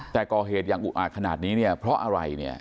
แต่กอเหตุอย่างอุอาจขนาดนี้เพราะอะไร